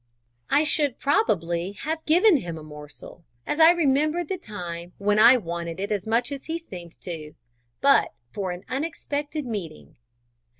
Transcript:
I should, probably, have given him a morsel, as I remembered the time when I wanted it as much as he seemed to do, but for an unexpected meeting.